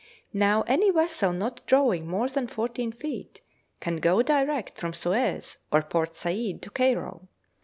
Now any vessel not drawing more than fourteen feet can go direct from Suez or Port Said to Cairo.